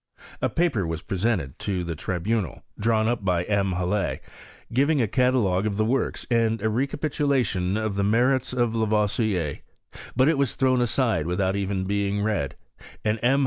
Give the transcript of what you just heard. A f/af^r was presented to the tribunal, drawn up hj M. Halle, (^ving a catalogue of the works, and a recapitulation of the merits of Lavoisier; but it ms thrown aside without even being read, and M.